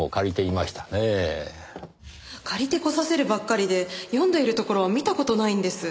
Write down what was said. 借りてこさせるばっかりで読んでいるところは見た事ないんです。